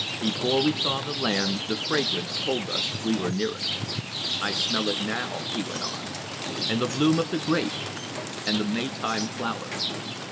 "Before we saw the land, the fragrance told us we were near it." "I smell it now," he went on, "and the bloom of the grape, and the May time flowers.